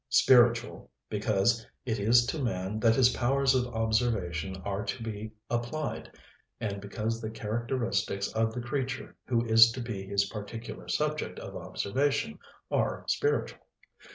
Spiritual, because it is to man that his powers of observation are to be applied, and because the characteristics of the creature who is to be his particular subject of observation are spiritual.